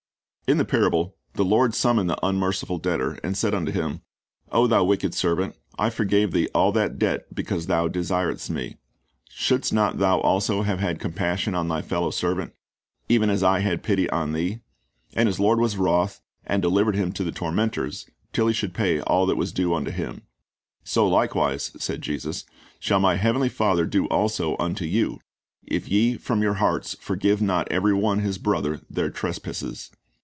In the parable the lord summoned the unmerciful debtor, and "said unto him, O thou wicked servant, I forgave thee all that debt, because thou desiredst me; shouldst not thou also have had compassion on thy fellow servant, even as I had pity on thee? And his lord was wroth, and delivered him to the tormentors, till he should pay all that was due unto him." "So likewise," said Jesus, "shall My Heavenly Father do also unto you, if ye from your hearts forgive not every one his brother their trespasses."